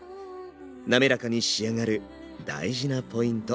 なめらかに仕上がる大事なポイント。